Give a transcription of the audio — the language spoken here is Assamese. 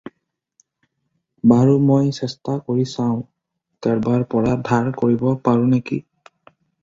বাৰু, মই চেষ্টা কৰি চাওঁ, কাৰবাৰ পৰা ধাৰ কৰিব পাৰোঁ নেকি।